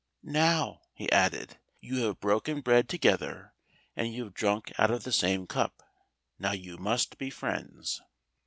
"Now," he added, "you have broken bread together, and you have drunk out of the same cup, now you must be friends."